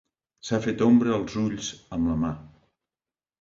S'ha fet ombra als ulls am la mà.